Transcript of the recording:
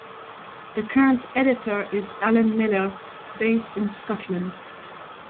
The current editor is Alan Millar, based in Scotland.